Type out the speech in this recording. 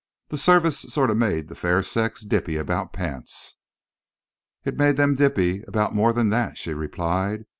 The service sort of made the fair sex dippy about pants." "It made them dippy about more than that," she replied.